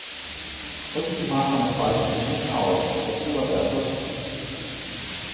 Doch diese Maßnahmen zahlten sich nicht aus: "Godzilla vs.